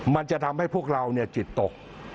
๑มันจะทำให้พวกเรานนี่ที่ตก